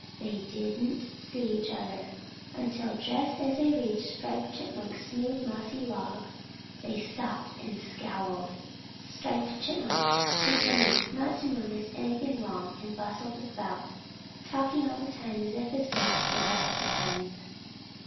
They didn't see each other until just as they reached Striped Chipmunk's smooth, mossy log. Then they stopped and scowled. Striped Chipmunk pretended not to notice anything wrong and bustled about, talking all the time as if his guests were the best of friends.